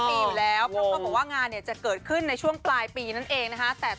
เพราะเขาบอกว่างานจะเกิดขึ้นในช่วงปลายปีนั้นเองนะฮะ